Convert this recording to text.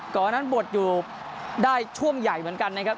ก่อนนั้นบทอยู่ได้ช่วงใหญ่เหมือนกันนะครับ